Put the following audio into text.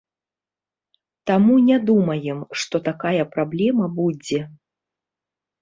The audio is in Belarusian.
Таму не думаем, што такая праблема будзе.